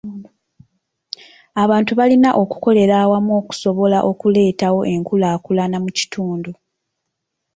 Abantu balina okukolera awamu okusobola okuleetawo enkulaakulana mu kitundu.